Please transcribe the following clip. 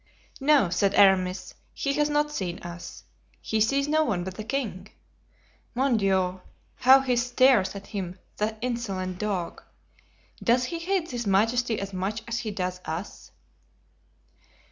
"No," said Aramis, "he has not seen us. He sees no one but the king. Mon Dieu! how he stares at him, the insolent dog! Does he hate his majesty as much as he does us?"